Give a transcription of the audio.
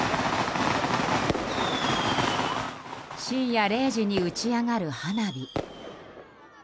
深夜０時に打ち上がる花火。